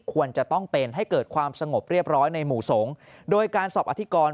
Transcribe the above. ควรจะต้องเป็นให้เกิดความสงบเรียบร้อยในหมู่สงฆ์โดยการสอบอธิกร